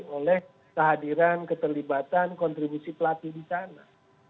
oleh kehadiran keterlibatan kontribusi pelatih di sana